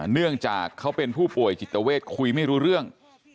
เนื่องจากเขาเป็นผู้ป่วยจิตเวทคุยไม่รู้เรื่อง